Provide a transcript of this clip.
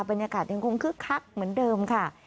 บรรยากาศยังคงคึกคักเหมือนเดิมค่ะ